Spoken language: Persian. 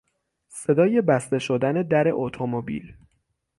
صدای بسته شدن در اتومبیل